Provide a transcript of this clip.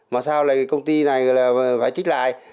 mà sao công ty này phải chích lại